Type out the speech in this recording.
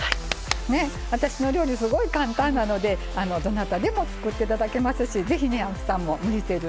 私の料理すごい簡単なのでどなたでも作って頂けますしぜひね青木さんも無理せずね